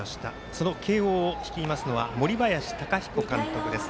その慶応を率いますのは森林貴彦監督です。